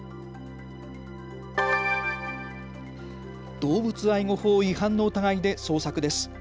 動物愛護法違反の疑いで捜索です。